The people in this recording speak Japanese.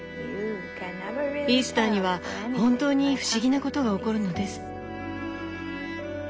「イースターには本当に不思議なことが起こるのです」。